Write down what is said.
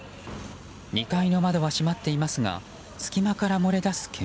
２階の窓は閉まっていますが隙間から漏れ出す煙。